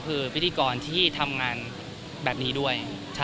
ครับครับครับครับครับครับครับครับครับครับครับครับครับครับครับครับ